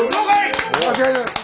間違いないです！